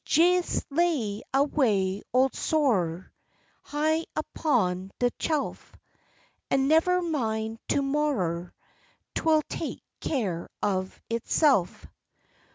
Jes lay away ole Sorrer High upon de shelf; And never mind to morrer, 'Twill take care of itself.